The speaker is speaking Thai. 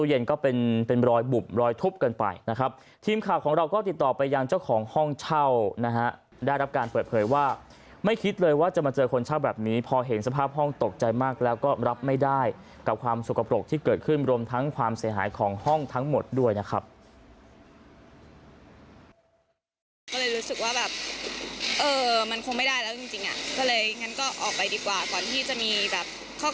อย่างเจ้าของห้องเช่านะฮะได้รับการเปิดเผยว่าไม่คิดเลยว่าจะมาเจอคนเช่าแบบนี้พอเห็นสภาพห้องตกใจมากแล้วก็รับไม่ได้กับความสุขปรกที่เกิดขึ้นรวมทั้งความเสียหายของห้องทั้งหมดด้วยนะครับ